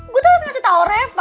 gue terus ngasih tau reva